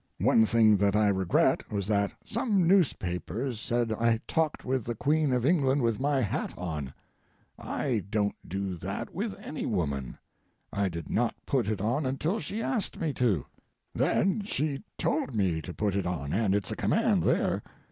One thing that I regret was that some newspapers said I talked with the Queen of England with my hat on. I don't do that with any woman. I did not put it on until she asked me to. Then she told me to put it on, and it's a command there.